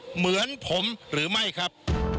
เหมือนผมหรือไม่ครับ